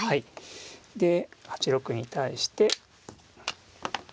で８六に対して。